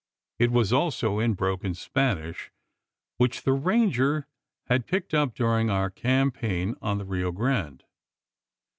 It was also in broken Spanish, which the ranger had picked up during our campaign, on the Rio Grande.